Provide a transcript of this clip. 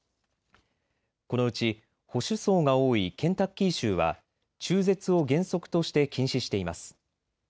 このうち保守層が多いケンタッキー州は中絶を原則として禁止しています。